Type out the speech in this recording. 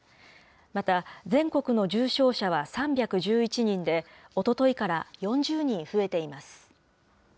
また、全国の重症者は３１１人で、おとといから４０人増えています。